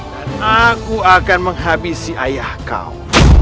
dan aku akan menghabisi ayah kau